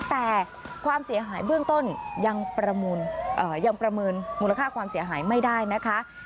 แต่ความเสียหายเบื้องต้นยังประเมินมูลค่าความเสียหายไม่ได้นะคะ